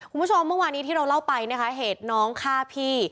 เมื่อวานี้ที่เราเล่าไปนะคะเหตุน้องฆ่าพี่